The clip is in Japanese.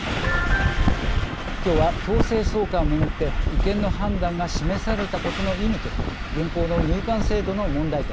きょうは、強制送還をめぐって違憲の判断が示されたことの意味と現行の入管制度の問題点